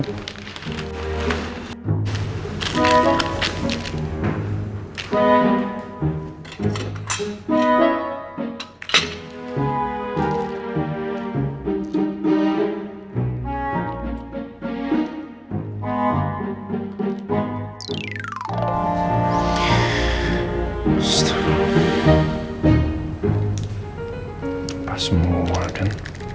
pas semua kan